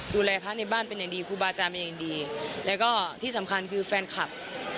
พระในบ้านเป็นอย่างดีครูบาอาจารย์เป็นอย่างดีแล้วก็ที่สำคัญคือแฟนคลับ